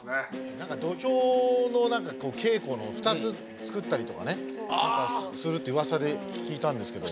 何か土俵の稽古の２つ作ったりとかねするってうわさで聞いたんですけど。